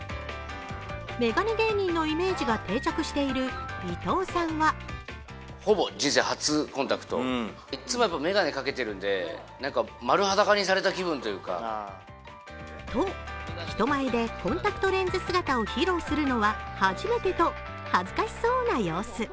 眼鏡芸人のイメージが定着している伊藤さんはと、人前でコンタクトレンズ姿を披露するのは、初めてと恥ずかしそうな様子。